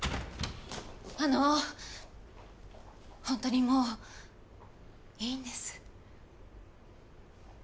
本当にもういいんです。